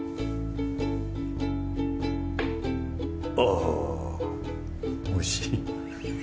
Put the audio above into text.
あおいしい。